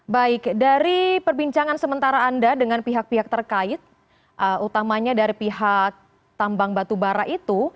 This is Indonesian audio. baik dari perbincangan sementara anda dengan pihak pihak terkait utamanya dari pihak tambang batubara itu